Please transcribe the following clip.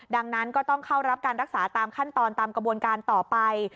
ดังนั้นก็ต้องเข้ารับการรักษาตามขั้นตอนตามกระบวนการต่อไป